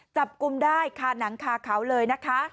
จับกลุ่มได้คาหนังคาเขาเลยนะคะ